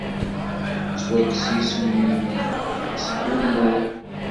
Yettwakkes yisem-nnem seg wumuɣ.